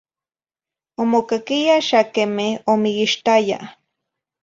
Omocaquiya xa queme omiguixtayah.